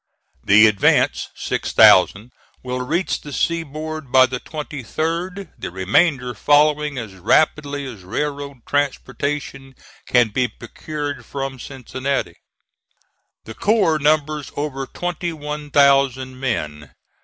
The advance (six thousand) will reach the seaboard by the 23d, the remainder following as rapidly as railroad transportation can be procured from Cincinnati. The corps numbers over twenty one thousand men.